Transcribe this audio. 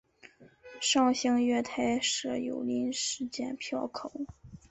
上行月台设有临时剪票口。